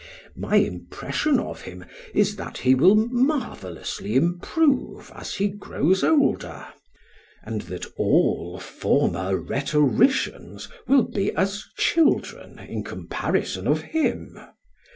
My impression of him is that he will marvellously improve as he grows older, and that all former rhetoricians will be as children in comparison of him.